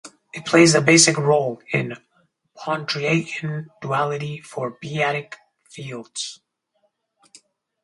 It plays a basic role in Pontryagin duality for p-adic fields.